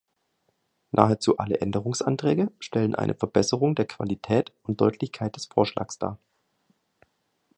Nahezu alle Änderungsanträge stellen eine Verbesserung der Qualität und Deutlichkeit des Vorschlags dar.